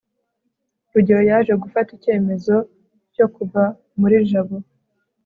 rugeyo yaje gufata icyemezo cyo kuva muri jabo